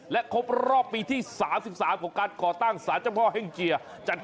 และครบรอบปีที่๓๓ของการก่อตั้งสารเจ้าพ่อแห่งเกียร์